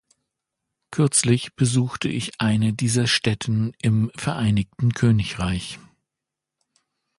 Kürzlich besuchte ich eine dieser Stätten im Vereinigten Königreich.